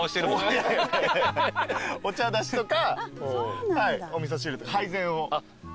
お茶出しとかお味噌汁とか配膳を。